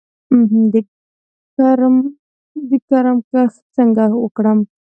د کرم کښت څنګه وکړم؟